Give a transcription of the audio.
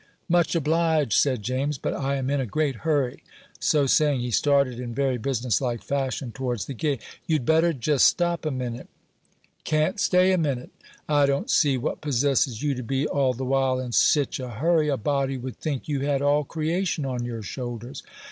"Much obliged," said James; "but I am in a great hurry." So saying, he started in very business like fashion towards the gate. "You'd better jest stop a minute." "Can't stay a minute." "I don't see what possesses you to be all the while in sich a hurry; a body would think you had all creation on your shoulders."